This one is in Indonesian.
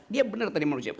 dia benar tadi menurut saya